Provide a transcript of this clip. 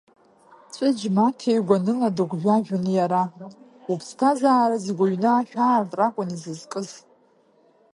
Ҵәыџь Маҭеи, гәаныла дыгәжәажәон иара, уԥсҭазаара зегьы, уҩны ашә аартра акәын изызкыз.